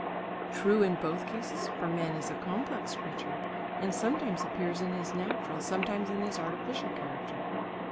True in both cases, for man is a complex creature, and sometimes appears in his natural sometimes in his artificial character.